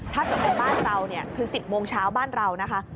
ถ้าเกิดเป็นบ้านเราเนี่ยคือ๑๐โมงเช้าบ้านเรานะคะ